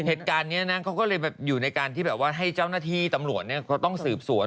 เหตุงานนี้ก็เลยอยู่ในการให้เจ้าหน้าที่ตำรวจนี่ต้องสืบเสวน